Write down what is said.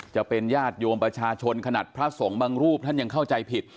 จะเป็นญาติโยมประชาชนขนาดพระสงฆ์บางรูปท่านยังเข้าใจผิด